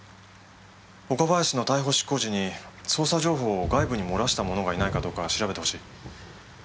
岡林の逮捕執行時に捜査情報を外部に漏らした者がいないかどうか調べてほしい。